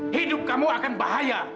hidup kamu akan bahaya